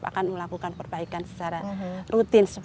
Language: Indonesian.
dan kita juga akan melakukan perbaikan secara rutin